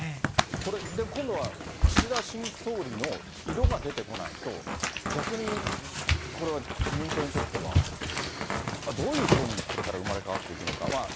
これは。今度は岸田新総理の色が出てこないと、逆に、これは自民党にとっては、どういう党にこれから生まれ変わっていくのか。